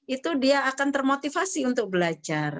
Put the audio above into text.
itu dia akan termotivasi untuk belajar